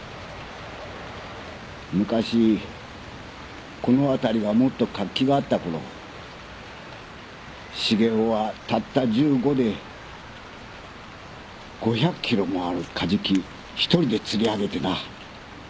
昔この辺りがもっと活気があったころ重雄はたった１５で５００キロもあるカジキ１人で釣り上げてな。